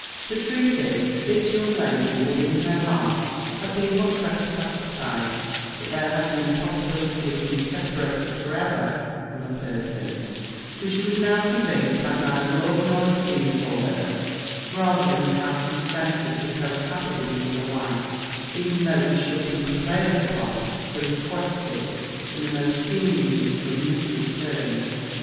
The truth is, this young lady would in her heart have been much better satisfied that there had been a possibility of being separated for ever from a person who, she was now convinced, had neither love nor esteem for her, rather than to have consented to cohabit with him as a wife, even though he should be prevailed upon to request it in the most seemingly submissive terms.